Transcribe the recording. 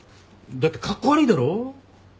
だってカッコ悪いだろ？